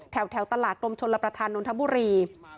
แถวตลาดรวมชนรับประทานณธบุรี